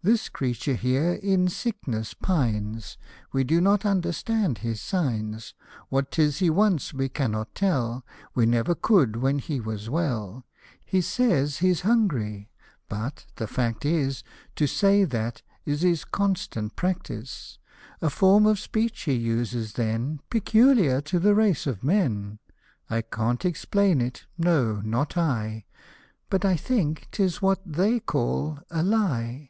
"This creature here in sickness pines ; We do not understand his signs, What 'tis he wants we cannot tell, We never could when he was well ; He says he's hungry : but, the fact is, To say that is his constant practice ; A form of speech he uses then Peculiar to the race of men ; I can't explain it, no, not I, But think 'tis what they call a lie.